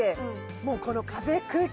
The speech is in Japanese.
もうこの風空気